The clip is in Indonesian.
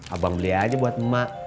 abang beli aja buat emak